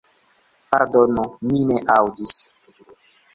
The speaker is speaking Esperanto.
Pardonu, mi ne aŭdis.